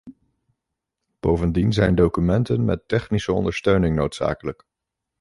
Bovendien zijn documenten met technische ondersteuning noodzakelijk.